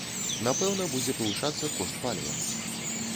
Напэўна будзе павышацца кошт паліва.